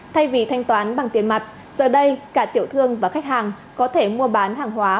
thay vì thanh toán bằng tiền mặt giờ đây cả tiểu thương và khách hàng có thể mua bán hàng hóa